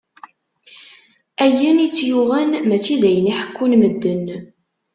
Ayen i tt-yuɣen, mačči d ayen i ḥekkun medden.